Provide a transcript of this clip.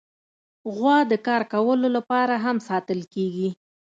غوا د کار کولو لپاره هم ساتل کېږي.